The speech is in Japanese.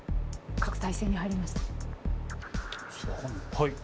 はい。